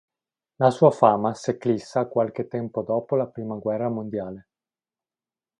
La sua fama s'eclissa qualche tempo dopo la prima guerra mondiale.